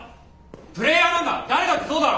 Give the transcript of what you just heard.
プレーヤーなんだ誰だってそうだろ！